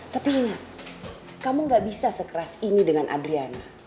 tapi ingat kamu gak bisa sekeras ini dengan adriani